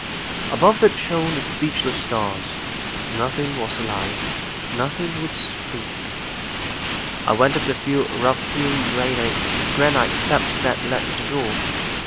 Above it shone the speechless stars. Nothing was alive. Nothing would speak. I went up the few rough hewn granite steps that led to the door.